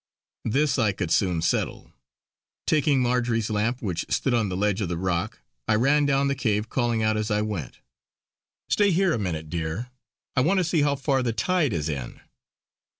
This I could soon settle; taking Marjory's lamp which stood on the ledge of rock I ran down the cave calling out as I went: "Stay here a minute, dear, I want to see how far the tide is in."